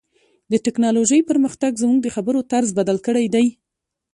د ټکنالوژۍ پرمختګ زموږ د خبرو طرز بدل کړی دی.